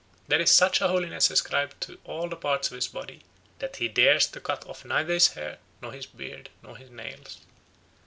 There is such a holiness ascribed to all the parts of his body that he dares to cut off neither his hair, nor his beard, nor his nails.